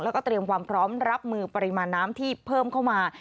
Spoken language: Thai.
แล้วก็เตรียมความพร้อมรับมือปริมาณน้ำที่เพิ่มเข้ามา